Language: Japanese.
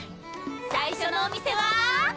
最初のお店は？